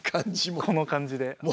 この感じも。